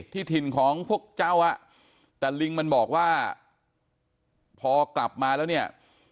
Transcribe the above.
ที่ถิ่นของพวกเจ้าอ่ะแต่ลิงมันบอกว่าพอกลับมาแล้วเนี่ย